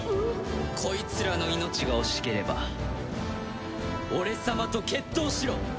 こいつらの命が惜しければ俺様と決闘しろ！